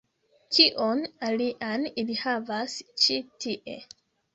Kion alian ili havas ĉi tie